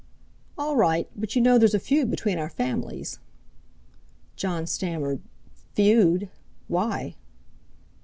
"All right! But you know there's a feud between our families?" Jon stammered: "Feud? Why?"